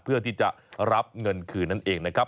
เพื่อที่จะรับเงินคืนนั่นเองนะครับ